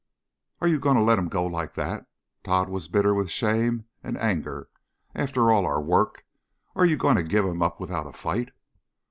"Are you going to let him go like that?" Tod was bitter with shame and anger. "After all our work, are you going to give him up without a fight?"